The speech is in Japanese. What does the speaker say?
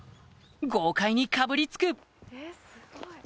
豪快にかぶりつく！